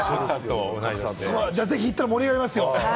行ったら盛り上がりますよ。